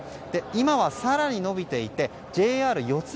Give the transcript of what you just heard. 今は更に伸びていてＪＲ四ツ